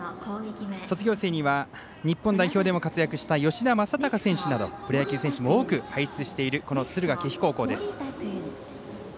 卒業生には日本代表でも活躍した吉田正尚選手などプロ野球選手も多く輩出している敦賀気比高校です。